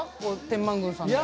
天満宮さんに。